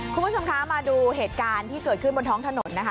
คุณผู้ชมคะมาดูเหตุการณ์ที่เกิดขึ้นบนท้องถนนนะคะ